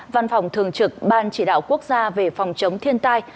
văn phòng thường trực ban chỉ đạo quốc gia về phòng chống thiên tai